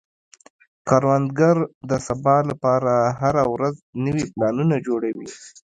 کروندګر د سبا لپاره هره ورځ نوي پلانونه جوړوي